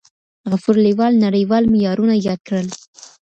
غفور لیوال نړیوال معیارونه یاد کړل.